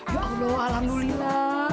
ya allah alhamdulillah